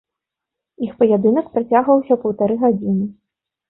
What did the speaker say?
Іх паядынак працягваўся паўтары гадзіны.